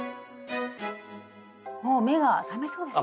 もう目が覚めそうですね！